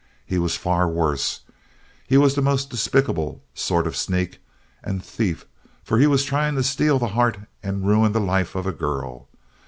He was far worse. He was the most despicable sort of sneak and thief for he was trying to steal the heart and ruin the life of a girl.